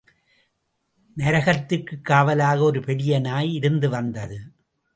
நரகத்திற்குக் காவலாக ஒரு பெரிய நாய் இருந்து வந்தது.